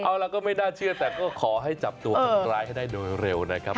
เอาล่ะก็ไม่น่าเชื่อแต่ก็ขอให้จับตัวคนร้ายให้ได้โดยเร็วนะครับ